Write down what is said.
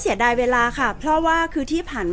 แต่ว่าสามีด้วยคือเราอยู่บ้านเดิมแต่ว่าสามีด้วยคือเราอยู่บ้านเดิม